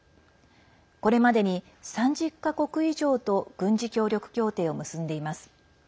これまでに３０か国以上と軍事協力協定を結んでいます。